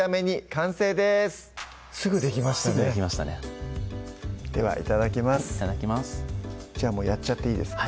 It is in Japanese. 完成ですすぐできましたねすぐできましたねではいただきますいただきますじゃあやっちゃっていいですか？